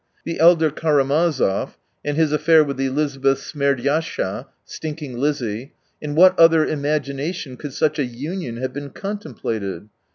The elder Raramazov and his affair with Elizabeth Smerdyascha (Stinking Lizzie) — in what other imagination could such a union have been contemplated